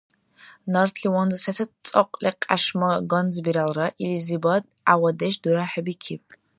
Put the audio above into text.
Нартли ванза сецад цӀакьли кьяшма ганзбиралра, илизибад гӀявадеш дурахӀебикиб.